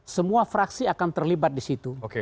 semua fraksi akan terlibat di situ